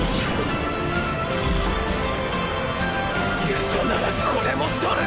遊佐ならこれも取る！